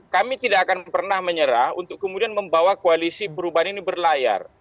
kami tidak akan pernah menyerah untuk kemudian membawa koalisi perubahan ini berlayar